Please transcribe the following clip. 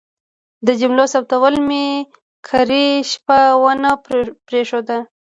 د جملو ثبتول مې کرۍ شپه ونه پرېښود.